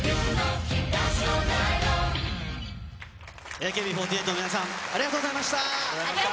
ＡＫＢ４８の皆さん、ありがとうございました。